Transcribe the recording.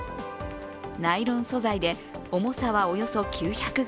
ナイロン素材で重さはおよそ９００ｇ。